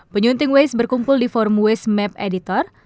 penyunting waze berkumpul di forum waste map editor